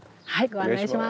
ご案内します。